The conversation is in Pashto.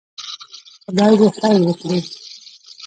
خدای دې خير وکړي.